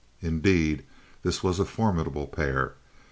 Indeed, this was a formidable pair.